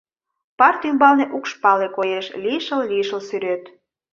Парт ӱмбалне укш пале коеш, лишыл-лишыл сӱрет.